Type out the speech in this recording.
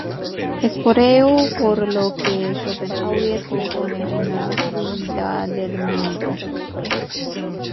Es por ello por lo que Schopenhauer propone una huida del mundo.